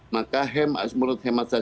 maka menurut hemat saya